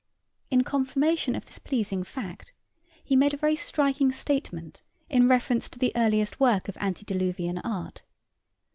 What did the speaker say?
In confirmation of this pleasing fact, he made a very striking statement in reference to the earliest work of antediluvian art.